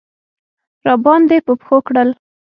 راباندې په پښو کړل.